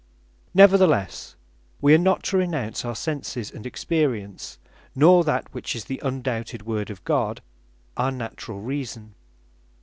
Neverthelesse, we are not to renounce our Senses, and Experience; nor (that which is the undoubted Word of God) our naturall Reason.